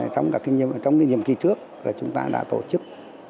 trong nhiệm kỳ trước chúng ta đã tổ chức